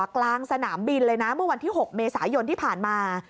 กลางสนามบินเลยนะเมื่อวันที่๖เมษายนที่ผ่านมา